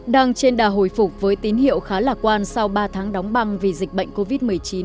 đang trên đà hồi phục với tín hiệu khá lạc quan sau ba tháng đóng băng vì dịch bệnh covid một mươi chín